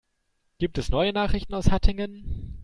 Gibt es neue Nachrichten aus Hattingen?